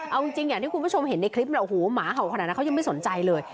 เอาจริงอย่างที่คุณผู้ชมเห็นในคลิปเนี่ยโอ้โหหมาเห่าขนาดนั้นเขายังไม่สนใจเลย